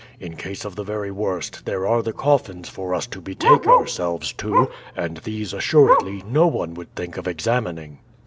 In case of the very worst, there are the coffins for us to betake ourselves to; and these, assuredly, no one would think of examining."